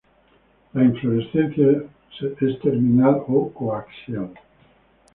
La inflorescencia es terminal o coaxial.